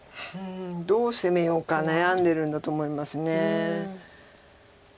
どう攻めようか悩んでるんだと思います。